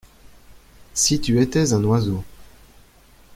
Si tu étais un oiseau.